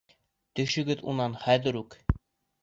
Төшөгөҙ унан хәҙер үк!